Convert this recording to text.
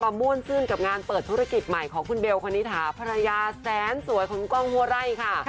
ม่วนซื่นกับงานเปิดธุรกิจใหม่ของคุณเบลคณิถาภรรยาแสนสวยของกล้องหัวไร่ค่ะ